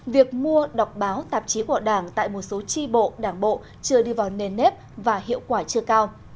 việc mua đọc báo tạp chí của đảng tại một số tri bộ đảng bộ chưa đi vào nền nếp và hiệu quả chưa cao